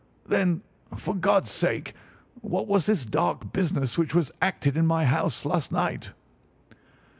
"Then, for God's sake, what was this dark business which was acted in my house last night?"